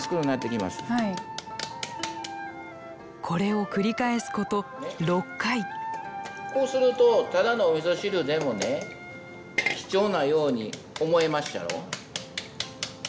これを繰り返すこと６回こうするとただのおみそ汁でもね貴重なように思えまっしゃろ。